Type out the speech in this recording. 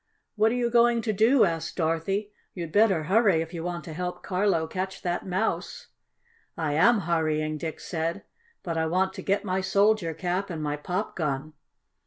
"What are you going to do?" asked Dorothy. "You'd better hurry if you want to help Carlo catch that mouse." "I am hurrying," Dick said. "But I want to get my soldier cap and my pop gun."